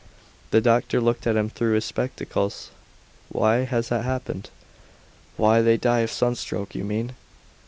The doctor looked at him through his spectacles. "Why has what happened? Why they die of sunstroke, you mean?